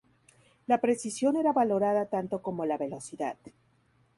La precisión era valorada tanto como la velocidad.